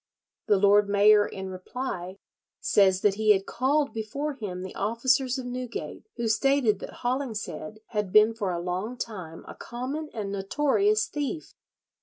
The lord mayor in reply says that he had called before him the officers of Newgate, who stated that Hollingshead had been for a long time a common and notorious thief.